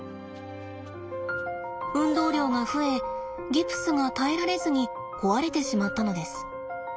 運動量が増えギプスが耐えられずに壊れてしまったのです。